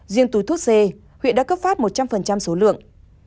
riêng túi thuốc c huyện đã cấp phát một trăm linh số lượng